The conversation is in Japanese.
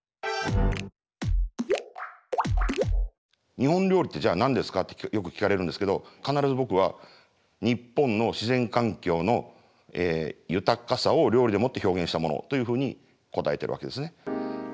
「日本料理ってじゃあ何ですか？」ってよく聞かれるんですけど必ず僕は「日本の自然環境の豊かさを料理でもって表現したもの」というふうに答えているわけですね。